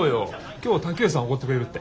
今日瀧上さんがおごってくれるって。